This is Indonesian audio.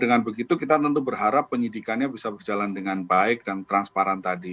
dengan begitu kita tentu berharap penyidikannya bisa berjalan dengan baik dan transparan tadi